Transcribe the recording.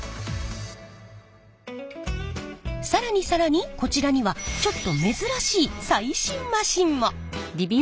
更に更にこちらにはちょっと珍しい最新マシンも！